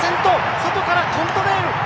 外からコントレイル。